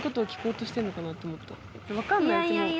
分かんないうちも。